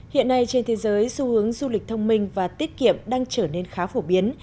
hiện nay trên thế giới xu hướng du lịch thông minh và tiết kiệm đang trở nên khá phổ biến